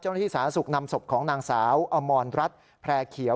เจ้าหน้าที่ศาสนสุขนำศพของนางสาวอมรรดรัฐแพร่เขียว